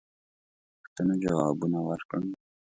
پوښتنو جوابونه ورکړم.